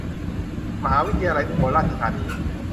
มหาวิทยาลัยอุบลราชธานี